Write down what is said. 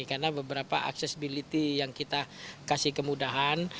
karena beberapa accessibility yang kita kasih kemudahan